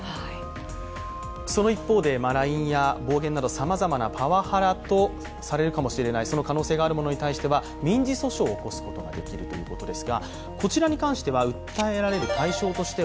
その一方でＬＩＮＥや暴言などさまざまなパワハラといえるもの、その可能性があるものに対しては民事訴訟を起こすことができるということです。